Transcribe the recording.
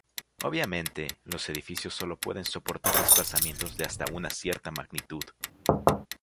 Obviamente, los edificios solo pueden soportar desplazamientos de hasta una cierta magnitud.